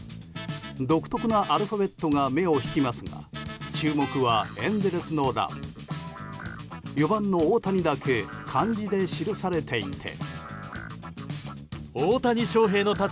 独特なアルファベットが目を引きますが注目はエンゼルスの欄４番の大谷だけ漢字で記されていて。